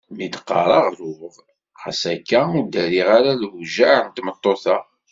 Mi t-qqareɣ ruɣ ɣas akka ur d-ddireɣ ara lewjeɛ n tmeṭṭut-a.